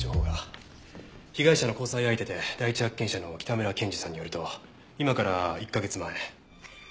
被害者の交際相手で第一発見者の北村ケンジさんによると今から１カ月前。